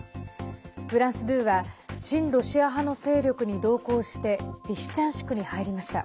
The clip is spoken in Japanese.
フランス２は親ロシア派の勢力に同行してリシチャンシクに入りました。